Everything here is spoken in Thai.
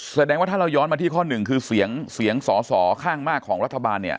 แสดงว่าถ้าเราย้อนมาที่ข้อหนึ่งคือเสียงเสียงสอสอข้างมากของรัฐบาลเนี่ย